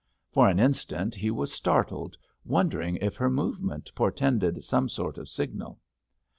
For an instant he was startled, wondering if her movement portended some sort of signal.